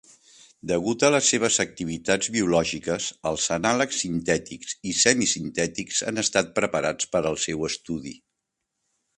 Degut a les seves activitats biològiques, els anàlegs sintètics i semi sintètics han estat preparats per al seu estudi.